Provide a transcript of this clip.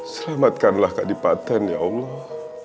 selamatkanlah kadipaten ya allah